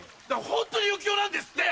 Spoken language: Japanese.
ホントに余興なんですって！